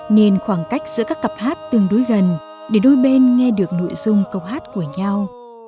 nên khoảng cách giữa các cặp hát tương đối gần để đôi bên nghe được nội dung câu hát của nhau